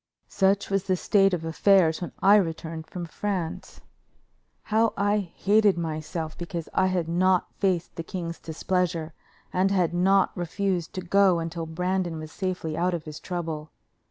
_ Such was the state of affairs when I returned from France. How I hated myself because I had not faced the king's displeasure and had not refused to go until Brandon was safely out of his trouble.